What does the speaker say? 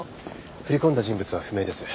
振り込んだ人物は不明です。